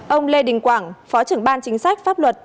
ông lê đình quảng phó trưởng ban chính sách pháp luật